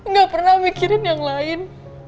gak pernah mikirin yang lain